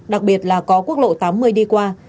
đặc biệt là có quốc lộ tám mươi đi qua